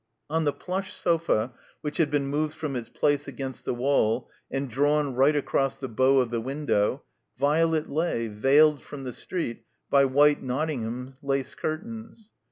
On the plush sofa, which had been moved from its place against the wall and drawn right across the bow of the window, Violet lay, veiled from the street by white Nottingham lace curtains.